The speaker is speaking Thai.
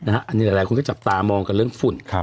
อันนี้หลายคนก็จับตามองกันเรื่องฝุ่น